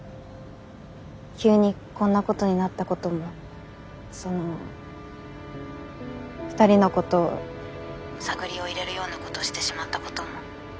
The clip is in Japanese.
急にこんなことになったこともその二人のことを探りを入れるようなことしてしまったことも。